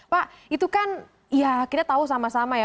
pak itu kan ya kita tahu sama sama ya